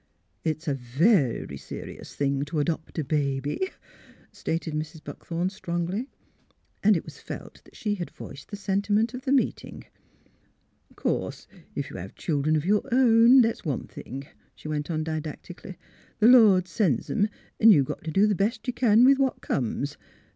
'' It's a ver ry se rious thing to adopt a ba by," stated Mrs. Buckthorn, strongly. And it was felt that she had voiced the sentiment of the meeting. '' Course, if you have children of your own, that's one thing," she went on, didactically. *' The Lord sends 'em, an' you got t' do th' best you can with what comes.